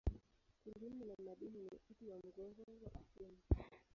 Kilimo na madini ni uti wa mgongo wa uchumi.